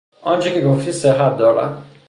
آنچه که گفتی صحت دارد.